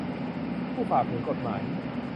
ผู้ฝ่าฝืนกฎหมาย